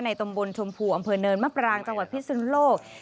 ตำบลชมพูอำเภอเนินมะปรางจังหวัดพิศนุโลก